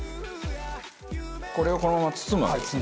これをこのまま包むわけですね。